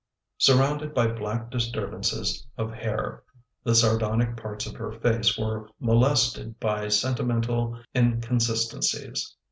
Surrounded by black disturbances of hair the sardonic parts of her face were molested by sentimental incon sistencies.